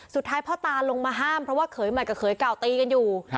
สุดท้ายพ่อตาลงมาห้ามเพราะว่าเขยใหม่กับเขยเก่าตีกันอยู่